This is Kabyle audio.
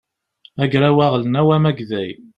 agraw aɣelnaw amagday